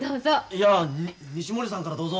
いや西森さんからどうぞ。